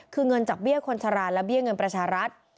คือเงินจากเบี้ยคนชราและเบี้ยเงินประชารัฐ